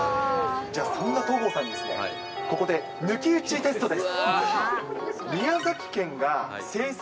じゃあ、そんな戸郷さんに、ここで抜き打ちテストです。